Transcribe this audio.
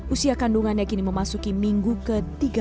usia kandungannya kini memasuki minggu ke tiga puluh dua